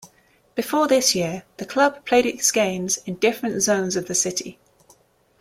Before this year, the club played its games in different zones of the city.